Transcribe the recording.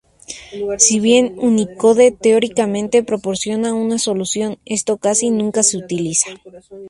Si bien Unicode, teóricamente, proporciona una solución, esto casi nunca se utiliza.